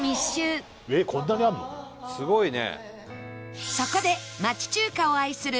すごいね。